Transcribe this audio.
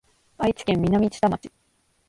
愛知県南知多町